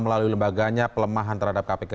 melalui lembaganya pelemahan terhadap kpk